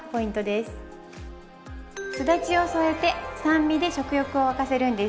すだちを添えて酸味で食欲をわかせるんです。